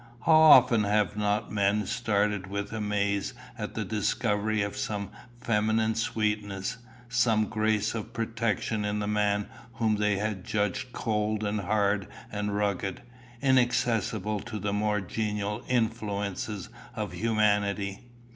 How often have not men started with amaze at the discovery of some feminine sweetness, some grace of protection in the man whom they had judged cold and hard and rugged, inaccessible to the more genial influences of humanity!